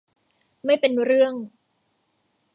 ไม่เป็นเรื่อง